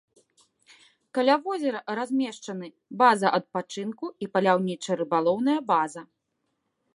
Каля возера размешчаны база адпачынку і паляўніча-рыбалоўная база.